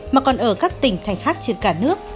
mà còn ở các tỉnh thành khác trên cả nước